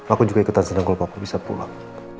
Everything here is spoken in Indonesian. aku juga ikutan senang kalau papa bisa pulang